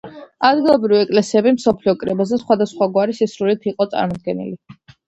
ადგილობრივი ეკლესიები მსოფლიო კრებაზე სხვადასხვაგვარი სისრულით იყო წარმოდგენილი.